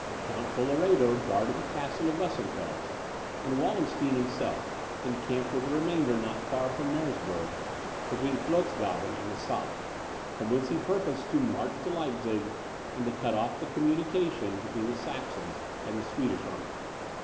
Count Colloredo guarded the castle of Weissenfels, and Wallenstein himself encamped with the remainder not far from Merseburg, between Flotzgaben and the Saal, from whence he purposed to march to Leipzig, and to cut off the communication between the Saxons and the Swedish army.